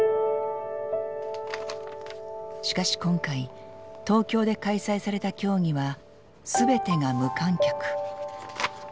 しかし今回東京で開催された競技は全てが無観客。